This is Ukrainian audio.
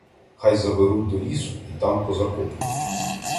Хай заберуть до лісу і там позакопують.